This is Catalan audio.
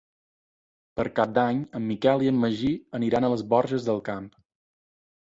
Per Cap d'Any en Miquel i en Magí aniran a les Borges del Camp.